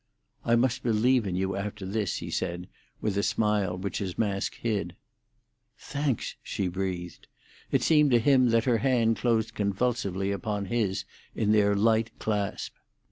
"I must believe in you after this," he said, with a smile which his mask hid. "Thanks," she breathed. It seemed to him that her hand closed convulsively upon his in their light clasp.